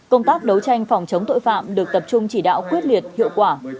công tác đấu tranh phòng chống tội phạm được tập trung chỉ đạo quyết liệt hiệu quả